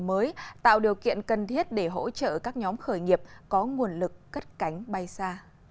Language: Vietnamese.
mới tạo điều kiện cần thiết để hỗ trợ các nhóm khởi nghiệp có nguồn lực cất cánh bay xa